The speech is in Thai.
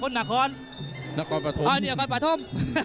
คนหน้าคอนน้าคอนปฐม